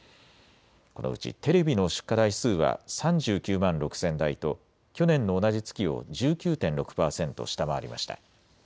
このうちテレビの出荷台数は３９万６０００台と去年の同じ月を１９．６％下回りました。